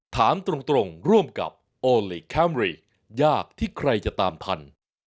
ถามตรงร่วมกับโอลี่คัมรี่ยากที่ใครจะตามทัน